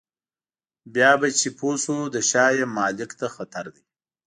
بیا به چې پوه شو له شا یې مالک ته خطر دی.